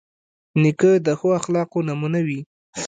نیکه د ښو اخلاقو نمونه وي.